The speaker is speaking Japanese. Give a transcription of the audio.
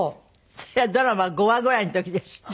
それはドラマ５話ぐらいの時ですって？